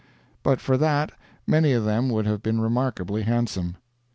But for that, many of them would have been remarkably handsome.